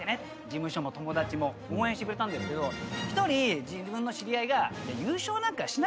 事務所も友達も応援してくれたんですけど１人自分の知り合いが。